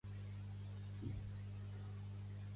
A veure si surt un Too Good To Go que m'agradi